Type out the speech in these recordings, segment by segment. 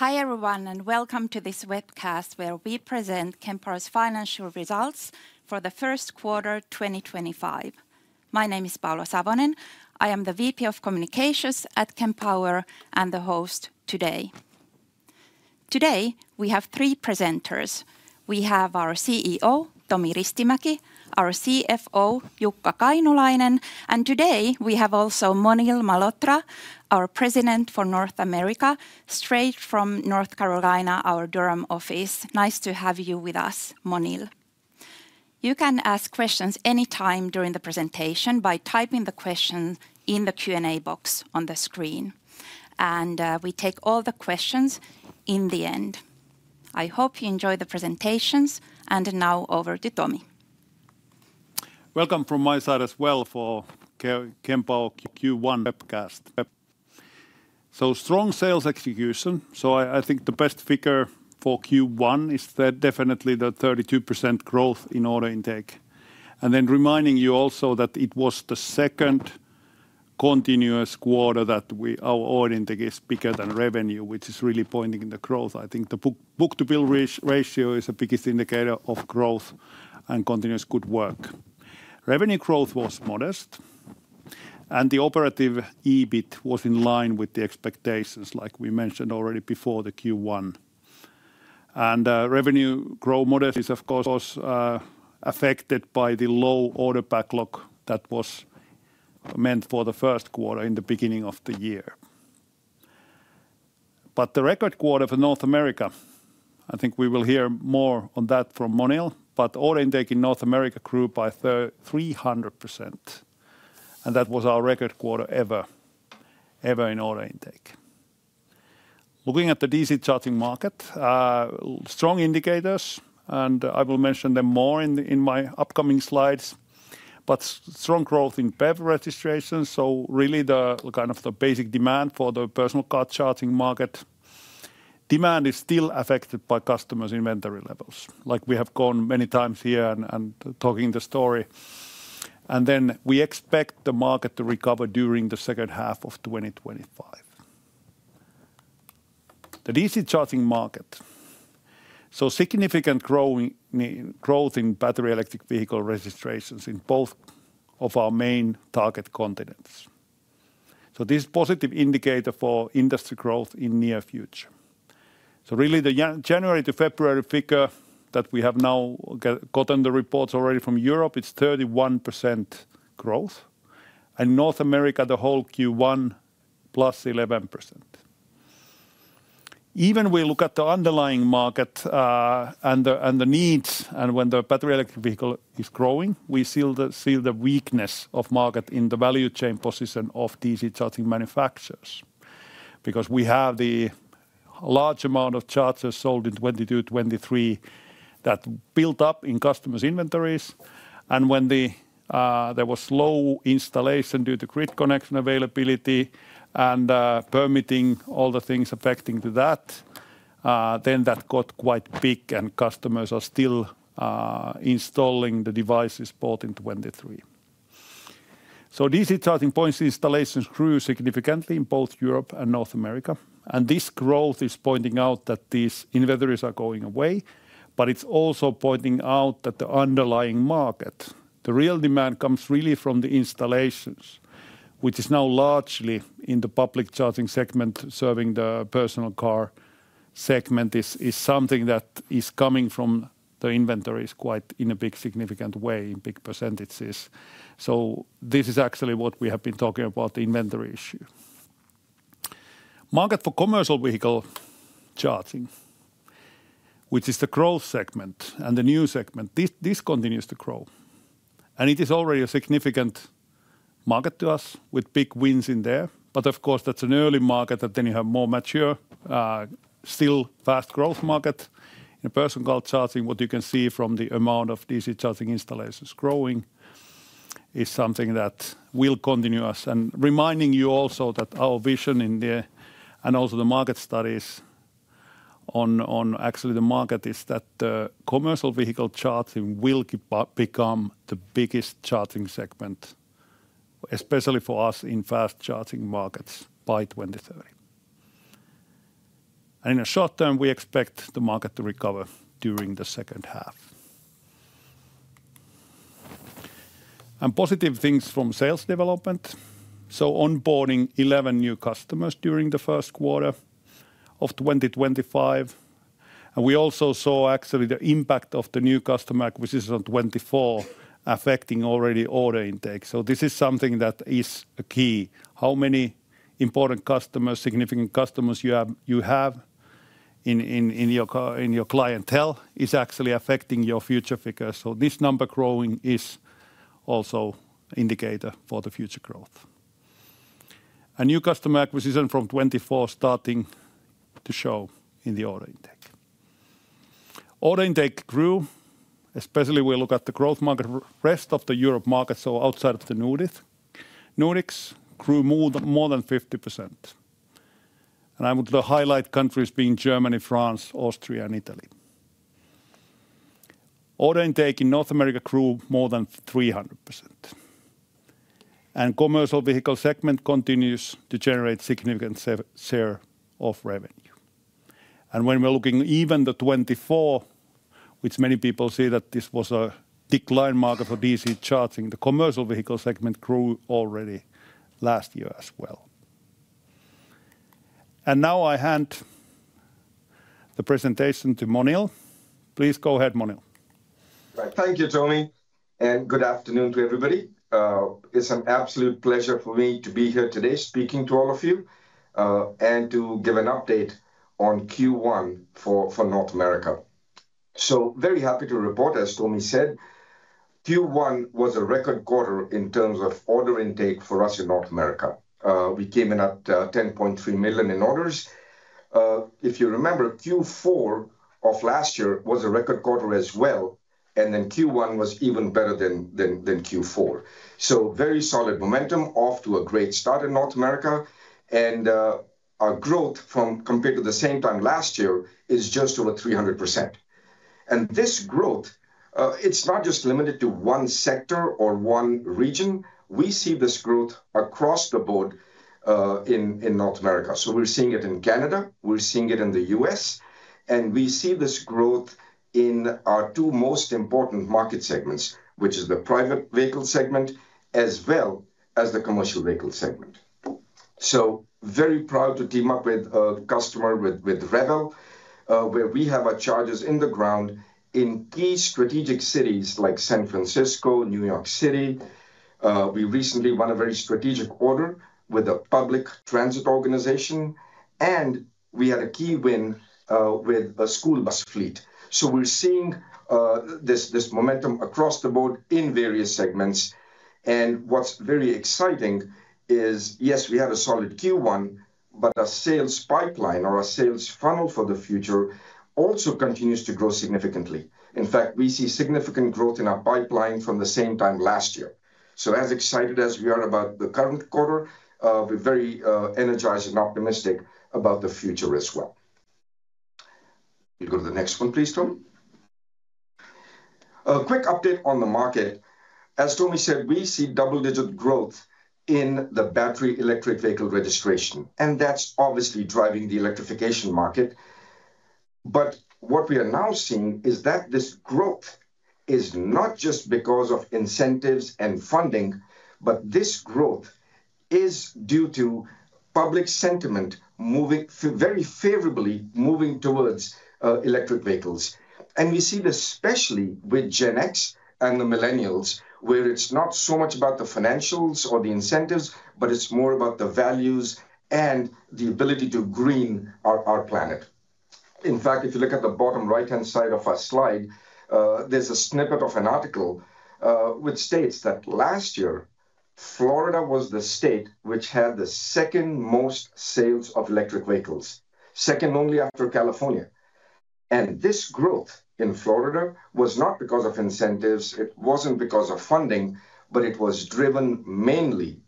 Hi everyone, and welcome to this webcast where we present Kempower financial results for the first quarter 2025. My name is Paula Savonen. I am the VP of Communications at Kempower and the host today. Today we have three presenters. We have our CEO, Tomi Ristimäki, our CFO, Jukka Kainulainen, and today we have also Monil Malhotra, our President for North America, straight from North Carolina, our Durham office. Nice to have you with us, Monil. You can ask questions anytime during the presentation by typing the question in the Q&A box on the screen, and we take all the questions in the end. I hope you enjoy the presentations, and now over to Tomi. Welcome from my side as well for Kempower Q1 webcast. Strong sales execution. I think the best figure for Q1 is definitely the 32% growth in order intake. Reminding you also that it was the second continuous quarter that our order intake is bigger than revenue, which is really pointing in the growth. I think the book-to-bill ratio is the biggest indicator of growth and continuous good work. Revenue growth was modest, and the operative EBIT was in line with the expectations, like we mentioned already before the Q1. Revenue growth modest is, of course, affected by the low order backlog that was meant for the first quarter in the beginning of the year. The record quarter for North America, I think we will hear more on that from Monil, but order intake in North America grew by 300%, and that was our record quarter ever, ever in order intake. Looking at the DC charging market, strong indicators, and I will mention them more in my upcoming slides, but strong growth in PEV registrations. Really the kind of the basic demand for the personal car charging market demand is still affected by customers' inventory levels. Like we have gone many times here and talking the story, we expect the market to recover during the second half of 2025. The DC charging market, significant growth in battery electric vehicle registrations in both of our main target continents. This is a positive indicator for industry growth in the near future. Really, the January to February figure that we have now gotten the reports already from Europe is 31% growth, and North America the whole Q1 plus 11%. Even we look at the underlying market and the needs, and when the battery electric vehicle is growing, we see the weakness of market in the value chain position of DC charging manufacturers because we have the large amount of chargers sold in 2022-2023 that built up in customers' inventories. When there was slow installation due to grid connection availability and permitting, all the things affecting to that, that got quite big and customers are still installing the devices both in 2023. DC charging points installations grew significantly in both Europe and North America, and this growth is pointing out that these inventories are going away, but it's also pointing out that the underlying market, the real demand comes really from the installations, which is now largely in the public charging segment serving the personal car segment is something that is coming from the inventories quite in a big significant way in big percentages. This is actually what we have been talking about, the inventory issue. Market for commercial vehicle charging, which is the growth segment and the new segment, this continues to grow, and it is already a significant market to us with big wins in there. Of course that's an early market that then you have more mature, still fast growth market. In personal car charging, what you can see from the amount of DC charging installations growing is something that will continue us. Reminding you also that our vision in there and also the market studies on actually the market is that the commercial vehicle charging will become the biggest charging segment, especially for us in fast charging markets by 2030. In the short term, we expect the market to recover during the second half. Positive things from sales development. Onboarding 11 new customers during the first quarter of 2025. We also saw actually the impact of the new customer acquisition on 24 affecting already order intake. This is something that is a key. How many important customers, significant customers you have in your clientele is actually affecting your future figure. This number growing is also an indicator for the future growth. New customer acquisition from 2024 starting to show in the order intake. Order intake grew, especially if we look at the growth market rest of the Europe market, so outside of the Nordics. Nordics grew more than 50%. I would highlight countries being Germany, France, Austria, and Italy. Order intake in North America grew more than 300%. The commercial vehicle segment continues to generate significant share of revenue. When we're looking even at 2024, which many people see as a decline marker for DC charging, the commercial vehicle segment grew already last year as well. Now I hand the presentation to Monil. Please go ahead, Monil. Thank you, Tomi, and good afternoon to everybody. It's an absolute pleasure for me to be here today speaking to all of you and to give an update on Q1 for North America. Very happy to report, as Tomi said, Q1 was a record quarter in terms of order intake for us in North America. We came in at 10.3 million in orders. If you remember, Q4 of last year was a record quarter as well, and Q1 was even better than Q4. Very solid momentum off to a great start in North America, and our growth from compared to the same time last year is just over 300%. This growth, it's not just limited to one sector or one region. We see this growth across the board in North America. We're seeing it in Canada, we're seeing it in the US, and we see this growth in our two most important market segments, which is the private vehicle segment as well as the commercial vehicle segment. Very proud to team up with a customer with Revel, where we have our chargers in the ground in key strategic cities like San Francisco, New York City. We recently won a very strategic order with a public transit organization, and we had a key win with a school bus fleet. We're seeing this momentum across the board in various segments. What's very exciting is, yes, we have a solid Q1, but our sales pipeline or our sales funnel for the future also continues to grow significantly. In fact, we see significant growth in our pipeline from the same time last year. As excited as we are about the current quarter, we're very energized and optimistic about the future as well. You go to the next one, please, Tomi. A quick update on the market. As Tomi said, we see double-digit growth in the battery electric vehicle registration, and that's obviously driving the electrification market. What we are now seeing is that this growth is not just because of incentives and funding, this growth is due to public sentiment moving very favorably moving towards electric vehicles. We see this especially with Gen X and the millennials, where it's not so much about the financials or the incentives, it's more about the values and the ability to green our planet. In fact, if you look at the bottom right-hand side of our slide, there's a snippet of an article which states that last year, Florida was the state which had the second most sales of electric vehicles, second only after California. This growth in Florida was not because of incentives, it wasn't because of funding, but it was driven mainly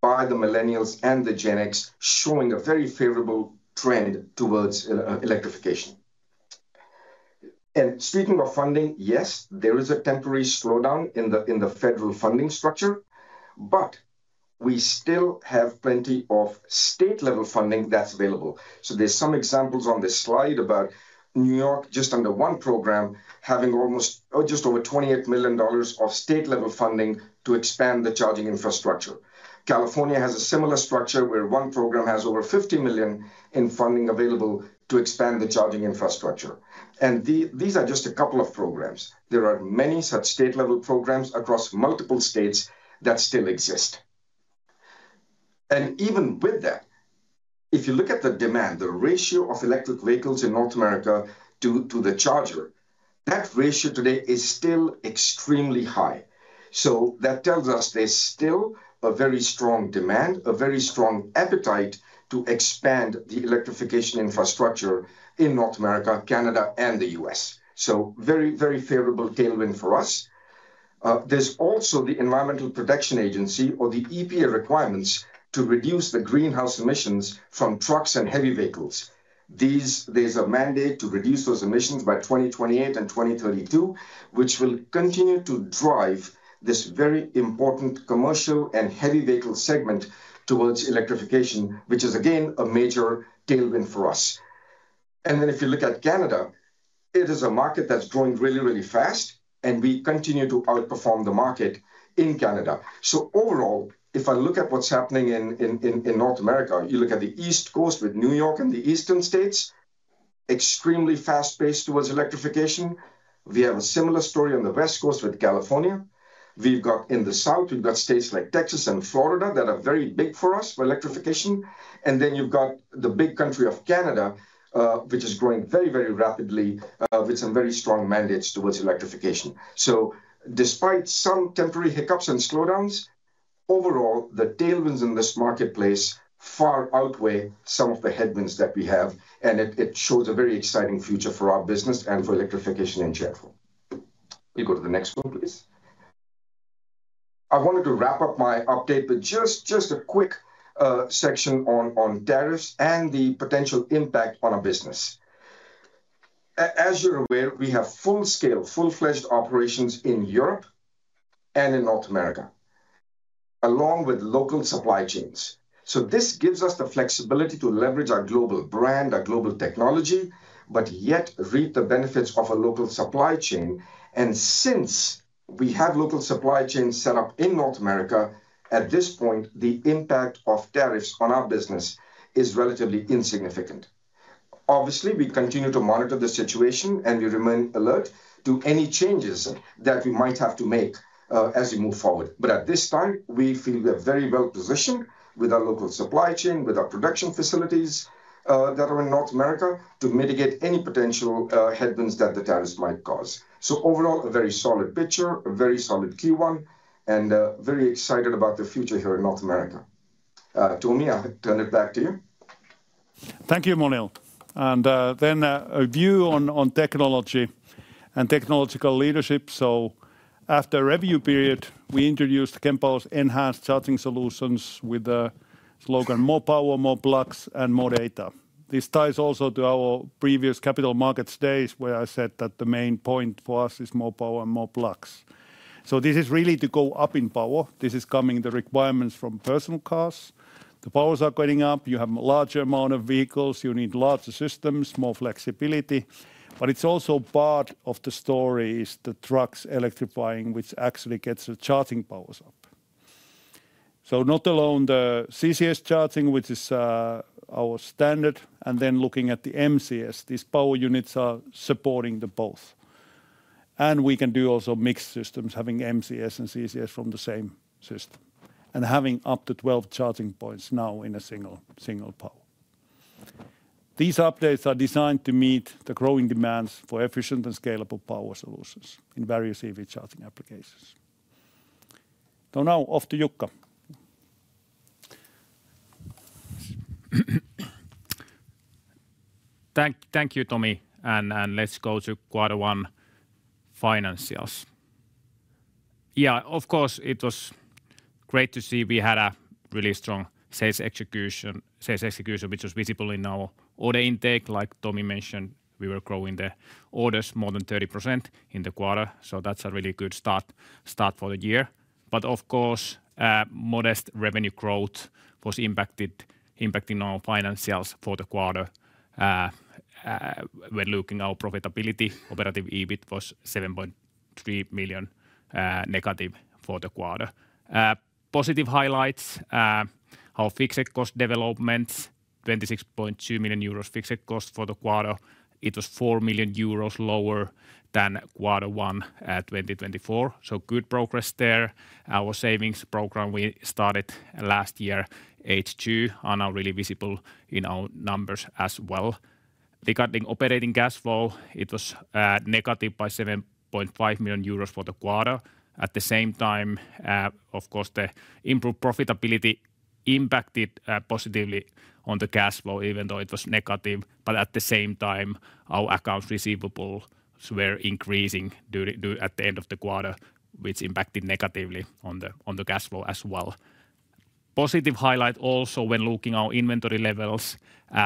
by the millennials and the Gen X showing a very favorable trend towards electrification. Speaking of funding, yes, there is a temporary slowdown in the federal funding structure, but we still have plenty of state-level funding that's available. There are some examples on this slide about New York, just under one program, having almost just over EUR 28 million of state-level funding to expand the charging infrastructure. California has a similar structure where one program has over 50 million in funding available to expand the charging infrastructure. These are just a couple of programs. There are many such state-level programs across multiple states that still exist. Even with that, if you look at the demand, the ratio of electric vehicles in North America to the charger, that ratio today is still extremely high. That tells us there is still a very strong demand, a very strong appetite to expand the electrification infrastructure in North America, Canada, and the U.S. Very, very favorable tailwind for us. There is also the Environmental Protection Agency or the EPA requirements to reduce the greenhouse emissions from trucks and heavy vehicles. There is a mandate to reduce those emissions by 2028 and 2032, which will continue to drive this very important commercial and heavy vehicle segment towards electrification, which is again a major tailwind for us. If you look at Canada, it is a market that's growing really, really fast, and we continue to outperform the market in Canada. Overall, if I look at what's happening in North America, you look at the East Coast with New York and the Eastern States, extremely fast-paced towards electrification. We have a similar story on the West Coast with California. In the South, we've got states like Texas and Florida that are very big for us for electrification. You have the big country of Canada, which is growing very, very rapidly with some very strong mandates towards electrification. Despite some temporary hiccups and slowdowns, overall, the tailwinds in this marketplace far outweigh some of the headwinds that we have, and it shows a very exciting future for our business and for electrification in general. You go to the next one, please. I wanted to wrap up my update with just a quick section on tariffs and the potential impact on our business. As you're aware, we have full-scale, full-fledged operations in Europe and in North America, along with local supply chains. This gives us the flexibility to leverage our global brand, our global technology, but yet reap the benefits of a local supply chain. Since we have local supply chains set up in North America, at this point, the impact of tariffs on our business is relatively insignificant. Obviously, we continue to monitor the situation and we remain alert to any changes that we might have to make as we move forward. At this time, we feel we are very well positioned with our local supply chain, with our production facilities that are in North America to mitigate any potential headwinds that the tariffs might cause. Overall, a very solid picture, a very solid Q1, and very excited about the future here in North America. Tomi, I turn it back to you. Thank you, Monil. A view on technology and technological leadership. After a review period, we introduced Kempower's enhanced charging solutions with the slogan, "More power, more plugs, and more data." This ties also to our previous capital markets days where I said that the main point for us is more power and more plugs. This is really to go up in power. This is coming from the requirements from personal cars. The powers are going up. You have a larger amount of vehicles. You need larger systems, more flexibility. Part of the story is the trucks electrifying, which actually gets the charging powers up. Not alone the CCS charging, which is our standard, and then looking at the MCS, these power units are supporting both. We can do also mixed systems, having MCS and CCS from the same system and having up to 12 charging points now in a single power. These updates are designed to meet the growing demands for efficient and scalable power solutions in various EV charging applications. Now off to Jukka. Thank you, Tomi. Let's go to quarter one financials. Yeah, of course, it was great to see we had a really strong sales execution, which was visible in our order intake. Like Tomi mentioned, we were growing the orders more than 30% in the quarter. That's a really good start for the year. Of course, modest revenue growth was impacting our financials for the quarter. We're looking at our profitability. Operative EBIT was 7.3 million negative for the quarter. Positive highlights, our fixed cost developments, 26.2 million euros fixed cost for the quarter. It was 4 million euros lower than quarter one 2024. Good progress there. Our savings program we started last year, H2, are now really visible in our numbers as well. Regarding operating cash flow, it was negative by 7.5 million euros for the quarter. At the same time, of course, the improved profitability impacted positively on the cash flow, even though it was negative. At the same time, our accounts receivable were increasing at the end of the quarter, which impacted negatively on the cash flow as well. Positive highlight also when looking at our inventory levels,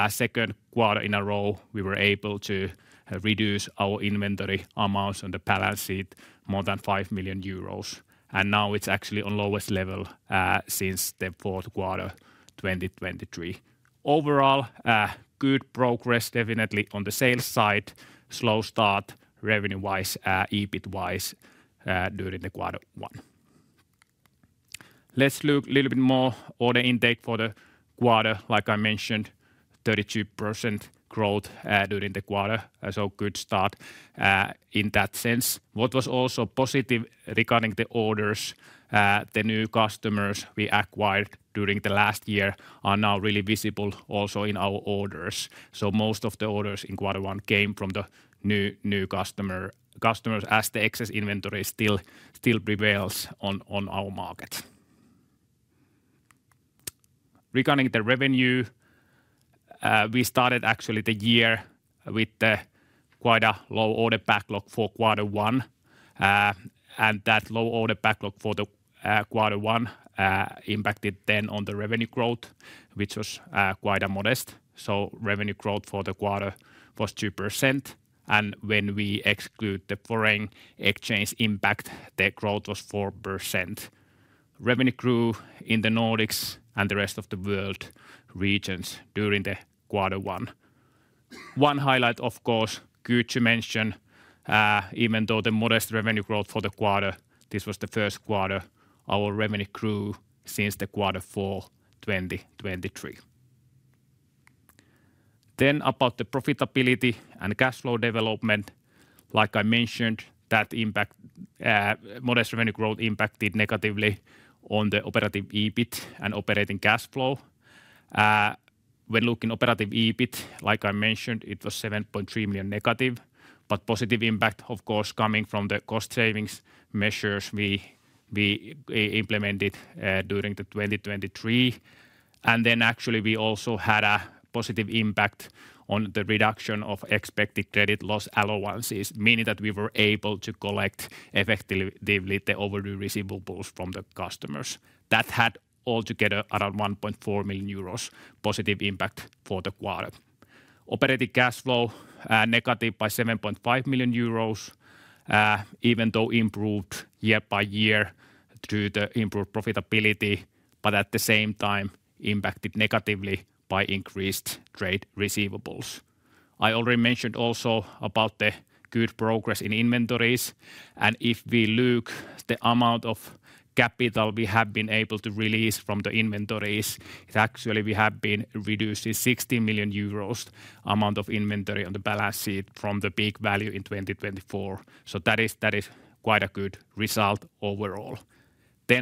second quarter in a row, we were able to reduce our inventory amounts on the balance sheet more than 5 million euros. Now it is actually on lowest level since the fourth quarter 2023. Overall, good progress definitely on the sales side, slow start revenue-wise, EBIT-wise during the quarter one. Let's look a little bit more on the intake for the quarter. Like I mentioned, 32% growth during the quarter. Good start in that sense. What was also positive regarding the orders, the new customers we acquired during the last year are now really visible also in our orders. Most of the orders in quarter one came from the new customers as the excess inventory still prevails on our market. Regarding the revenue, we started actually the year with quite a low order backlog for quarter one. That low order backlog for the quarter one impacted then on the revenue growth, which was quite modest. Revenue growth for the quarter was 2%. When we exclude the foreign exchange impact, the growth was 4%. Revenue grew in the Nordics and the rest of the world regions during the quarter one. One highlight, of course, good to mention, even though the modest revenue growth for the quarter, this was the first quarter, our revenue grew since the quarter four 2023. About the profitability and cash flow development, like I mentioned, that impact, modest revenue growth impacted negatively on the operative EBIT and operating cash flow. When looking at operative EBIT, like I mentioned, it was 7.3 million negative, but positive impact, of course, coming from the cost savings measures we implemented during 2023. Actually, we also had a positive impact on the reduction of expected credit loss allowances, meaning that we were able to collect effectively the overdue receivables from the customers. That had altogether around 1.4 million euros positive impact for the quarter. Operating cash flow negative by 7.5 million euros, even though improved year by year through the improved profitability, but at the same time impacted negatively by increased trade receivables. I already mentioned also about the good progress in inventories. If we look at the amount of capital we have been able to release from the inventories, actually we have been reducing 16 million euros amount of inventory on the balance sheet from the peak value in 2024. That is quite a good result overall.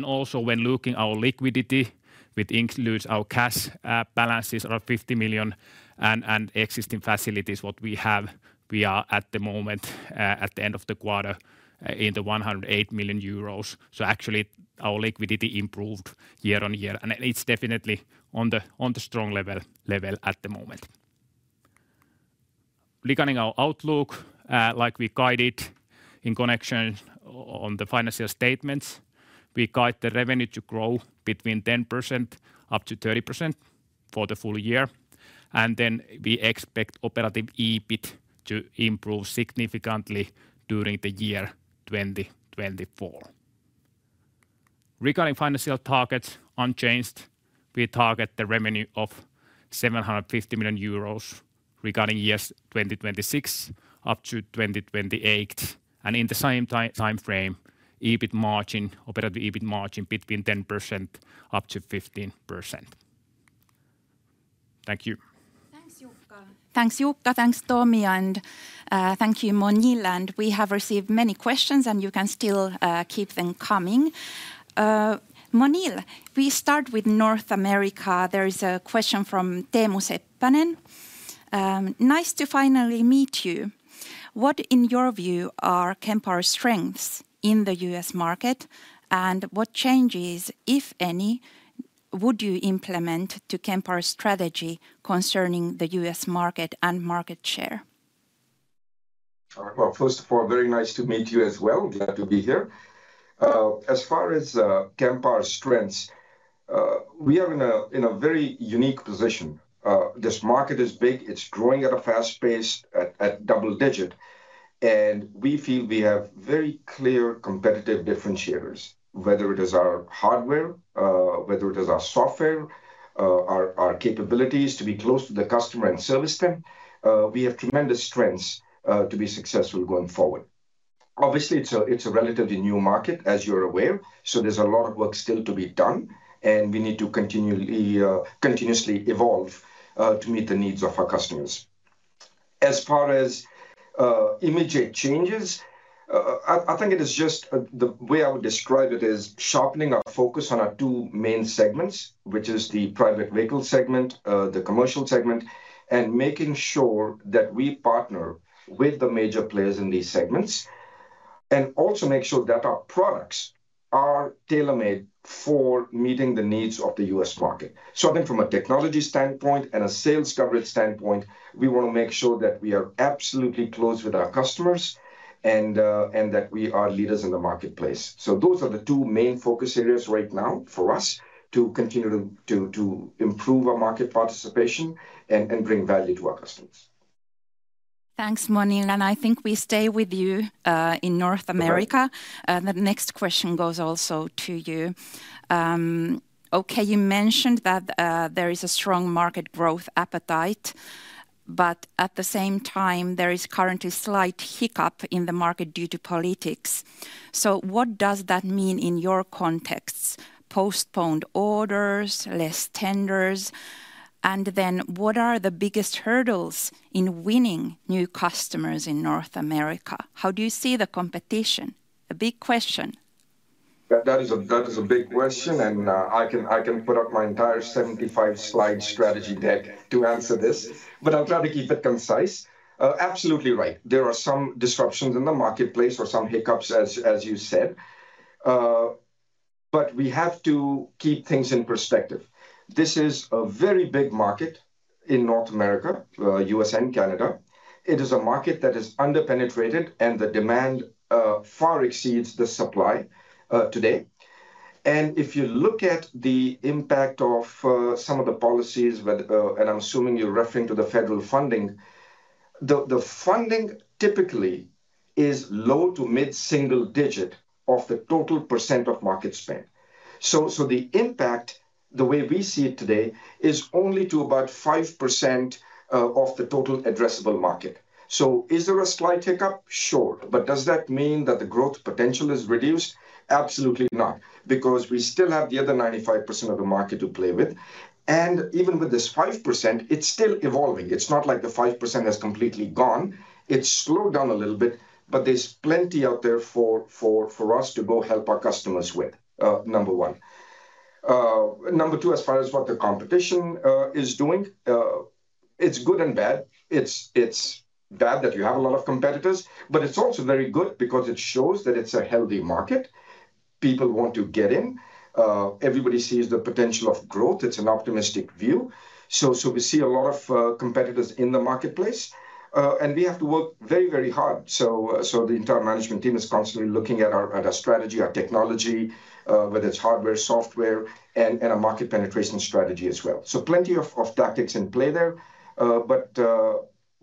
Also, when looking at our liquidity, which includes our cash balances around 50 million and existing facilities, what we have, we are at the moment at the end of the quarter in the 108 million euros. Actually our liquidity improved year on year, and it is definitely on the strong level at the moment. Regarding our outlook, like we guided in connection on the financial statements, we guide the revenue to grow between 10%-30% for the full year. We expect operative EBIT to improve significantly during the year 2024. Regarding financial targets, unchanged, we target the revenue of 750 million euros regarding years 2026 up to 2028. In the same time frame, operative EBIT margin between 10%-15%. Thank you. Thanks, Jukka. Thanks, Jukka, thanks, Tomi, and thank you, Monil. We have received many questions, and you can still keep them coming. Monil, we start with North America. There is a question from Teemu Seppänen. Nice to finally meet you. What, in your view, are Kempower's strengths in the U.S. market, and what changes, if any, would you implement to Kempower's strategy concerning the U.S. market and market share? First of all, very nice to meet you as well. Glad to be here. As far as Kempower's strengths, we are in a very unique position. This market is big. It is growing at a fast pace at double digit. We feel we have very clear competitive differentiators, whether it is our hardware, whether it is our software, our capabilities to be close to the customer and service them. We have tremendous strengths to be successful going forward. Obviously, it is a relatively new market, as you are aware. There is a lot of work still to be done, and we need to continuously evolve to meet the needs of our customers. As far as immediate changes, I think it is just the way I would describe it is sharpening our focus on our two main segments, which is the private vehicle segment, the commercial segment, and making sure that we partner with the major players in these segments, and also make sure that our products are tailor-made for meeting the needs of the U.S. market. I think from a technology standpoint and a sales coverage standpoint, we want to make sure that we are absolutely close with our customers and that we are leaders in the marketplace. Those are the two main focus areas right now for us to continue to improve our market participation and bring value to our customers. Thanks, Monil. I think we stay with you in North America. The next question goes also to you. Okay, you mentioned that there is a strong market growth appetite, but at the same time, there is currently slight hiccup in the market due to politics. What does that mean in your contexts? Postponed orders, less tenders. What are the biggest hurdles in winning new customers in North America? How do you see the competition? A big question. That is a big question, and I can put up my entire 75-slide strategy deck to answer this, but I'll try to keep it concise. Absolutely right. There are some disruptions in the marketplace or some hiccups, as you said, but we have to keep things in perspective. This is a very big market in North America, U.S. and Canada. It is a market that is under-penetrated, and the demand far exceeds the supply today. If you look at the impact of some of the policies, and I'm assuming you're referring to the federal funding, the funding typically is low to mid-single digit of the total % of market spend. The impact, the way we see it today, is only to about 5% of the total addressable market. Is there a slight hiccup? Sure. Does that mean that the growth potential is reduced? Absolutely not, because we still have the other 95% of the market to play with. Even with this 5%, it's still evolving. It's not like the 5% has completely gone. It's slowed down a little bit, but there's plenty out there for us to go help our customers with, number one. Number two, as far as what the competition is doing, it's good and bad. It's bad that you have a lot of competitors, but it's also very good because it shows that it's a healthy market. People want to get in. Everybody sees the potential of growth. It's an optimistic view. We see a lot of competitors in the marketplace, and we have to work very, very hard. The entire management team is constantly looking at our strategy, our technology, whether it's hardware, software, and a market penetration strategy as well. Plenty of tactics in play there, but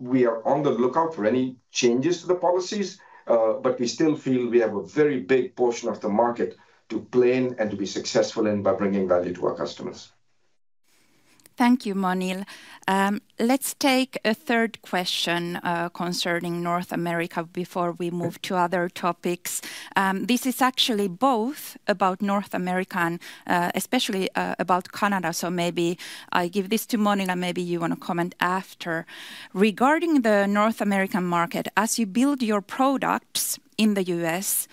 we are on the lookout for any changes to the policies, but we still feel we have a very big portion of the market to play in and to be successful in by bringing value to our customers. Thank you, Monil. Let's take a third question concerning North America before we move to other topics. This is actually both about North America, especially about Canada. Maybe I give this to Monil, and maybe you want to comment after. Regarding the North American market, as you build your products in the U.S.,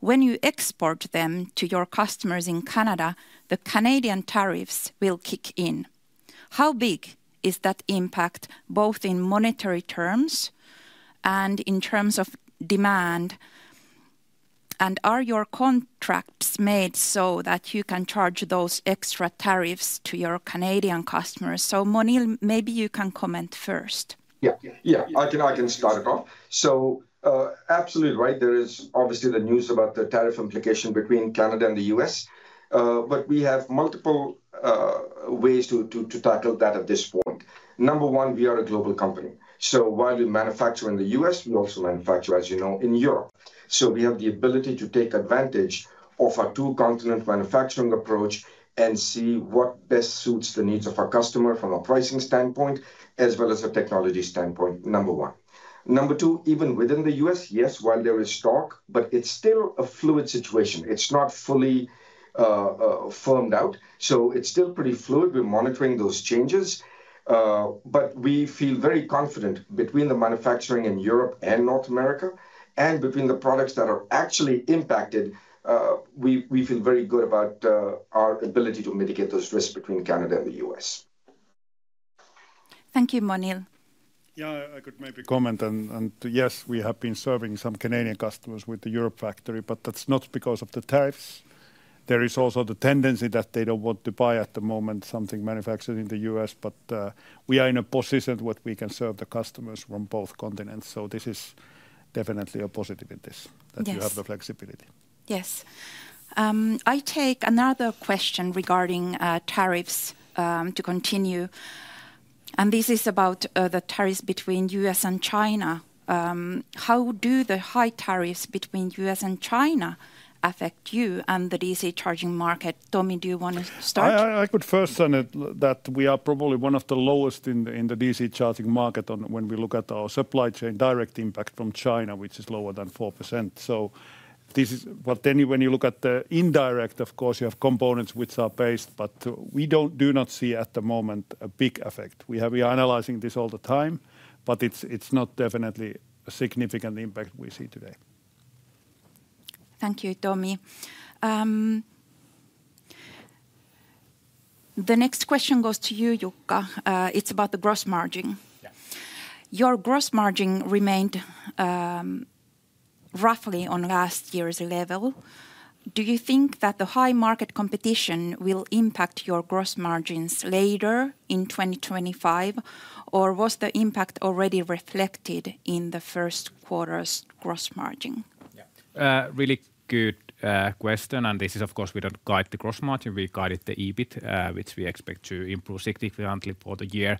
when you export them to your customers in Canada, the Canadian tariffs will kick in. How big is that impact both in monetary terms and in terms of demand? Are your contracts made so that you can charge those extra tariffs to your Canadian customers? Monil, maybe you can comment first. Yeah, yeah, I can start it off. Absolutely right. There is obviously the news about the tariff implication between Canada and the U.S., but we have multiple ways to tackle that at this point. Number one, we are a global company. While we manufacture in the U.S., we also manufacture, as you know, in Europe. We have the ability to take advantage of our two-continent manufacturing approach and see what best suits the needs of our customer from a pricing standpoint, as well as a technology standpoint, number one. Number two, even within the U.S., yes, while there is stock, it is still a fluid situation. It is not fully firmed out. It is still pretty fluid. We are monitoring those changes, but we feel very confident between the manufacturing in Europe and North America and between the products that are actually impacted. We feel very good about our ability to mitigate those risks between Canada and the U.S. Thank you, Monil. Yeah, I could maybe comment on, yes, we have been serving some Canadian customers with the Europe factory, but that's not because of the tariffs. There is also the tendency that they don't want to buy at the moment something manufactured in the U.S., but we are in a position where we can serve the customers from both continents. This is definitely a positive in this, that you have the flexibility. Yes. I take another question regarding tariffs to continue. This is about the tariffs between the U.S. and China. How do the high tariffs between the U.S. and China affect you and the DC charging market? Tomi, do you want to start? I could first say that we are probably one of the lowest in the DC charging market when we look at our supply chain direct impact from China, which is lower than 4%. This is what any when you look at the indirect, of course, you have components which are based, but we do not see at the moment a big effect. We are analyzing this all the time, but it is not definitely a significant impact we see today. Thank you, Tomi. The next question goes to you, Jukka. It's about the gross margin. Your gross margin remained roughly on last year's level. Do you think that the high market competition will impact your gross margins later in 2025, or was the impact already reflected in the first quarter's gross margin? Really good question. This is, of course, we do not guide the gross margin. We guided the EBIT, which we expect to improve significantly for the year.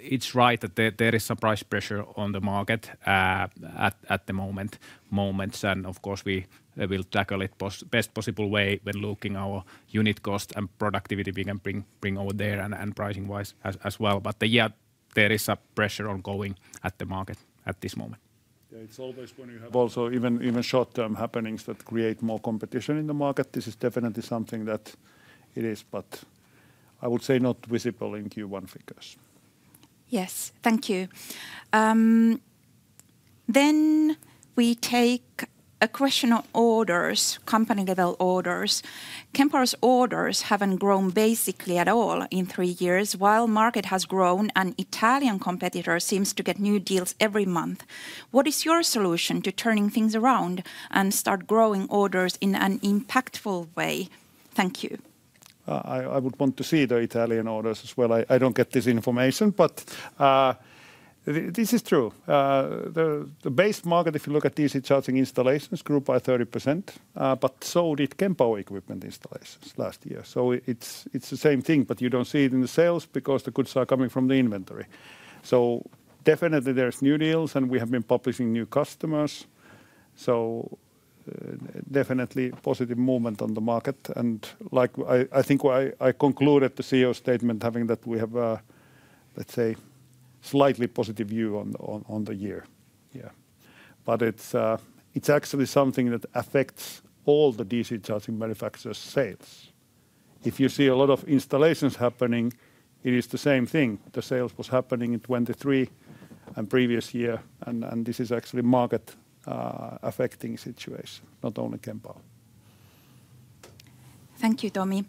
It is right that there is some price pressure on the market at the moment. We will tackle it the best possible way when looking at our unit cost and productivity we can bring over there and pricing-wise as well. There is a pressure ongoing at the market at this moment. Yeah, it's always when you have also even short-term happenings that create more competition in the market. This is definitely something that it is, but I would say not visible in Q1 figures. Yes, thank you. We take a question on orders, company-level orders. Kempower's orders haven't grown basically at all in three years. While market has grown, an Italian competitor seems to get new deals every month. What is your solution to turning things around and start growing orders in an impactful way? Thank you. I would want to see the Italian orders as well. I do not get this information, but this is true. The base market, if you look at DC charging installations, grew by 30%, but so did Kempower equipment installations last year. It is the same thing, but you do not see it in the sales because the goods are coming from the inventory. Definitely there are new deals and we have been publishing new customers. Definitely positive movement on the market. I think I concluded the CEO statement having that we have, let's say, a slightly positive view on the year. Yeah, it is actually something that affects all the DC charging manufacturers' sales. If you see a lot of installations happening, it is the same thing. The sales was happening in 2023 and previous year, and this is actually a market-affecting situation, not only Kempower. Thank you, Tomi.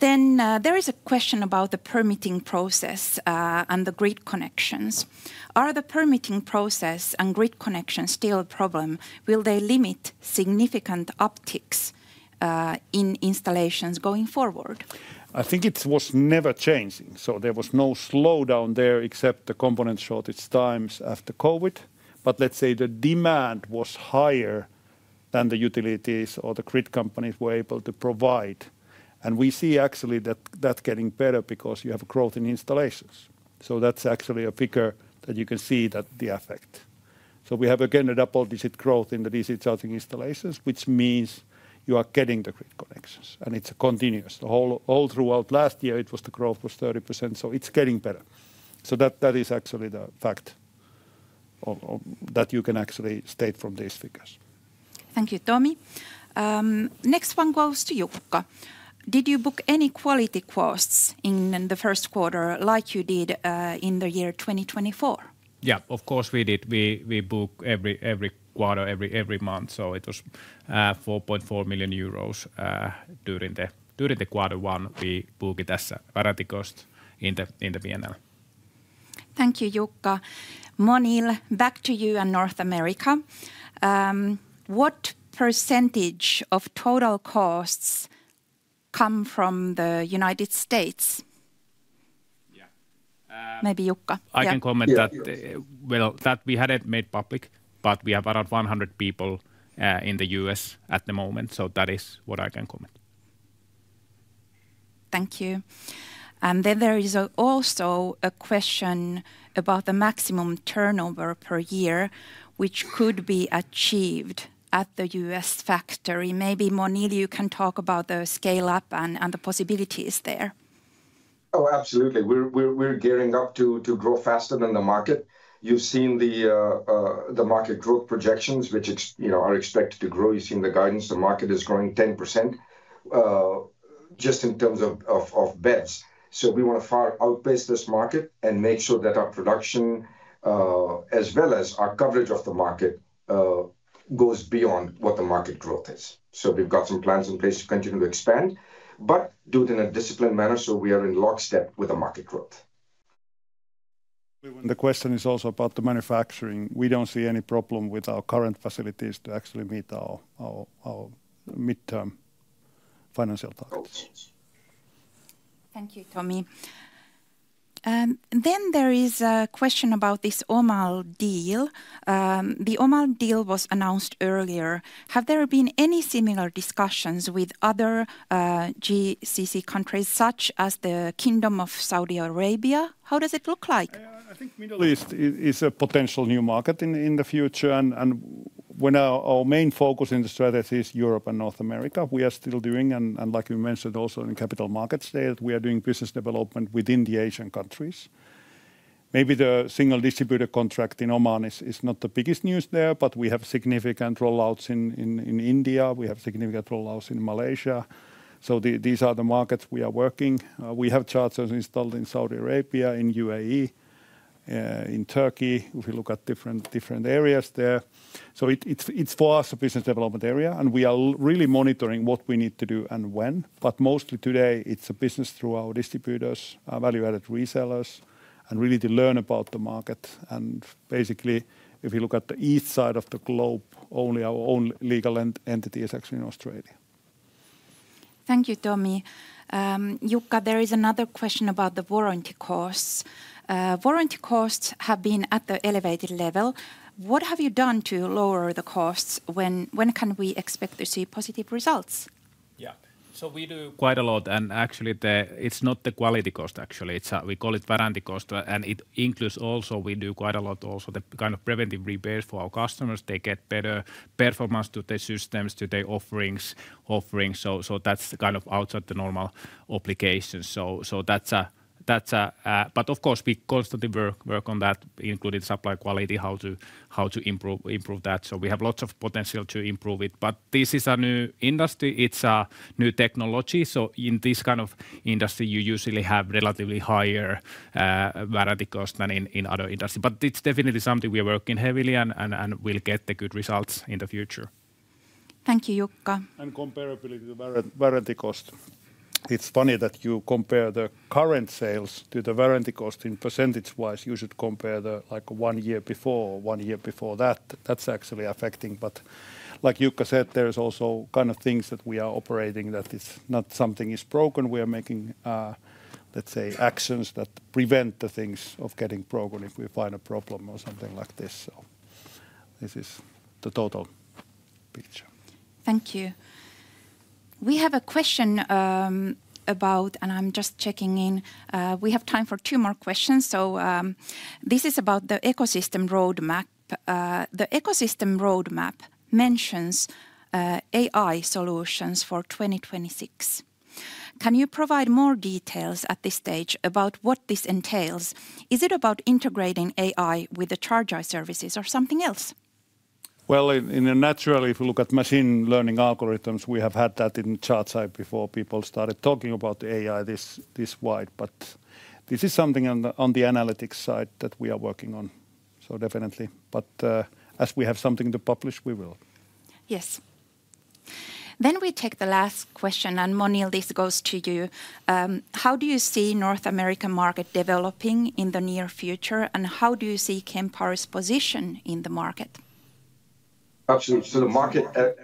There is a question about the permitting process and the grid connections. Are the permitting process and grid connections still a problem? Will they limit significant upticks in installations going forward? I think it was never changing. There was no slowdown there except the component shortage times after COVID. Let's say the demand was higher than the utilities or the grid companies were able to provide. We see actually that getting better because you have growth in installations. That is actually a figure that you can see the effect. We have again a double-digit growth in the DC charging installations, which means you are getting the grid connections. It is continuous. All throughout last year, the growth was 30%. It is getting better. That is actually the fact that you can actually state from these figures. Thank you, Tomi. Next one goes to Jukka. Did you book any quality costs in the first quarter like you did in the year 2024? Yeah, of course we did. We booked every quarter, every month. It was 4.4 million euros during quarter one. We booked it as a parity cost in the P&L. Thank you, Jukka. Monil, back to you in North America. What percentage of total costs come from the United States? Maybe Jukka. I can comment that we hadn't made public, but we have around 100 people in the U.S. at the moment. That is what I can comment. Thank you. There is also a question about the maximum turnover per year, which could be achieved at the U.S. factory. Maybe Monil, you can talk about the scale-up and the possibilities there. Oh, absolutely. We're gearing up to grow faster than the market. You've seen the market growth projections, which are expected to grow. You've seen the guidance. The market is growing 10% just in terms of beds. We want to far outpace this market and make sure that our production, as well as our coverage of the market, goes beyond what the market growth is. We have some plans in place to continue to expand, but do it in a disciplined manner so we are in lockstep with the market growth. The question is also about the manufacturing. We do not see any problem with our current facilities to actually meet our mid-term financial targets. Thank you, Tomi. There is a question about this OMAL deal. The OMAL deal was announced earlier. Have there been any similar discussions with other GCC countries, such as the Kingdom of Saudi Arabia? How does it look like? I think the Middle East is a potential new market in the future. When our main focus in the strategy is Europe and North America, we are still doing, and like you mentioned also in capital markets there, we are doing business development within the Asian countries. Maybe the single distributor contract in OMAL is not the biggest news there, but we have significant rollouts in India. We have significant rollouts in Malaysia. These are the markets we are working. We have chargers installed in Saudi Arabia, in UAE, in Turkey, if you look at different areas there. It is for us a business development area, and we are really monitoring what we need to do and when. Mostly today, it is a business through our distributors, value-added resellers, and really to learn about the market. Basically, if you look at the east side of the globe, only our own legal entity is actually in Australia. Thank you, Tomi. Jukka, there is another question about the warranty costs. Warranty costs have been at the elevated level. What have you done to lower the costs? When can we expect to see positive results? Yeah, we do quite a lot. Actually, it's not the quality cost, actually. We call it warranty cost, and it includes also we do quite a lot also the kind of preventive repairs for our customers. They get better performance to their systems, to their offerings. That's kind of outside the normal obligations. That's a, of course, we constantly work on that, including supply quality, how to improve that. We have lots of potential to improve it. This is a new industry. It's a new technology. In this kind of industry, you usually have relatively higher warranty cost than in other industries. It's definitely something we are working heavily on and will get the good results in the future. Thank you, Jukka. Comparability to warranty cost. It's funny that you compare the current sales to the warranty cost in %-wise. You should compare the like one year before or one year before that. That's actually affecting. Like Jukka said, there's also kind of things that we are operating that it's not something is broken. We are making, let's say, actions that prevent the things of getting broken if we find a problem or something like this. This is the total picture. Thank you. We have a question about, and I'm just checking in. We have time for two more questions. This is about the ecosystem roadmap. The ecosystem roadmap mentions AI solutions for 2026. Can you provide more details at this stage about what this entails? Is it about integrating AI with the charge services or something else? If you look at machine learning algorithms, we have had that in the chart side before people started talking about AI this wide. This is something on the analytics side that we are working on. Definitely, as we have something to publish, we will. Yes. We take the last question, and Monil, this goes to you. How do you see the North American market developing in the near future, and how do you see Kempower's position in the market? Absolutely. The market,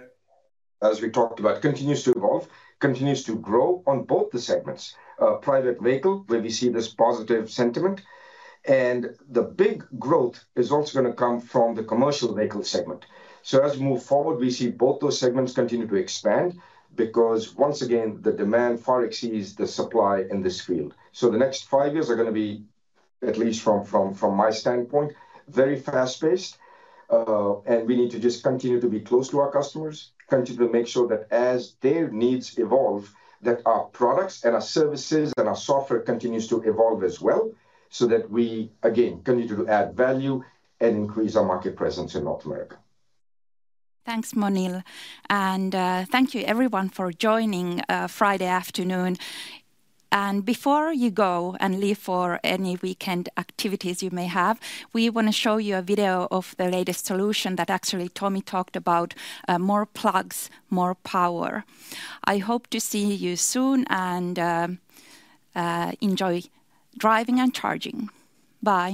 as we talked about, continues to evolve, continues to grow on both the segments, private vehicle, where we see this positive sentiment. The big growth is also going to come from the commercial vehicle segment. As we move forward, we see both those segments continue to expand because once again, the demand far exceeds the supply in this field. The next five years are going to be, at least from my standpoint, very fast-paced. We need to just continue to be close to our customers, continue to make sure that as their needs evolve, our products and our services and our software continues to evolve as well so that we, again, continue to add value and increase our market presence in North America. Thanks, Monil. Thank you, everyone, for joining Friday afternoon. Before you go and leave for any weekend activities you may have, we want to show you a video of the latest solution that actually Tomi talked about, more plugs, more power. I hope to see you soon and enjoy driving and charging. Bye.